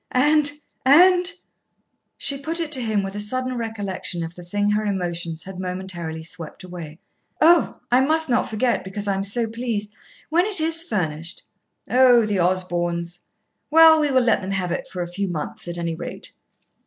"And and " She put it to him with a sudden recollection of the thing her emotions had momentarily swept away. "Oh! I must not forget, because I am so pleased. When it is furnished " "Oh! the Osborns? Well, we will let them have it for a few months, at any rate."